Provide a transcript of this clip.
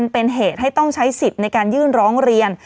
เป็นเหตุให้ต้องใช้สิทธิ์ในการยื่นร้องเรียน